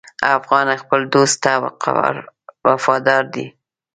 افغان خپل دوست ته وفادار دی.